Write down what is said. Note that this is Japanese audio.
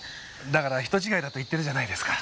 だから人違いだと言ってるじゃないですか。